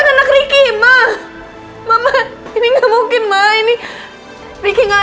sampai jumpa di video selanjutnya